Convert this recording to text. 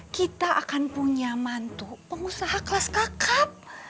kita akan punya mantu pengusaha kelas kakap